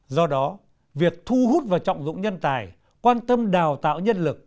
do đó việc thu hút và trọng dụng nhân tài quan tâm đào tạo nhân lực